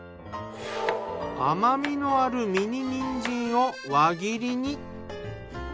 甘みのあるミニにんじんを輪切りに。